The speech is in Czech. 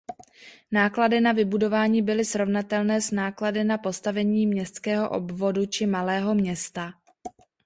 Náklady na vybudování byly srovnatelné s náklady na postavení městského obvodu či malého města.